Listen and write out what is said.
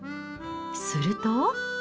すると。